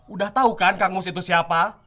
udah tahu kan kang mus itu siapa